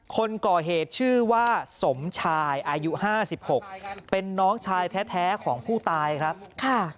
คนก่อเหตุชื่อว่าสมชายอายุ๕๖เป็นน้องชายแท้ของผู้ตายครับ